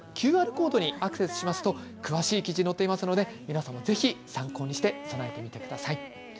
ＱＲコードにアクセスしますと詳しい記事載っていますので皆さんもぜひ参考にして備えてください。